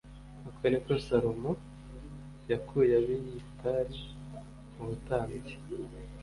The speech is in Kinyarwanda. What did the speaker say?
Uko ni ko Salomo yakuye Abiyatari mu butambyi